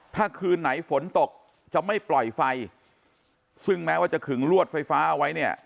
ถ้าคืนไหนฝนตกจะไม่ปล่อยไฟซึ่งแม้ว่าจะขึงลวดไฟฟ้าเอาไว้เนี่ย